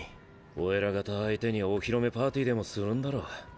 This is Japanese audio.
お偉方相手にお披露目パーティーでもするんだろ。